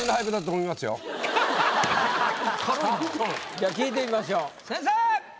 じゃあ聞いてみましょう先生。